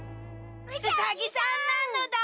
うさぎさんなのだ！